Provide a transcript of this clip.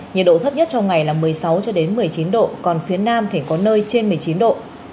nhiệt độ thấp nhất trong ngày là một mươi sáu một mươi chín độ còn phía nam thì có nơi trên một mươi chín độ